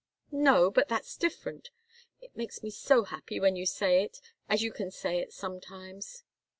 "No. But that's different. It makes me so happy when you say it, as you can say it sometimes."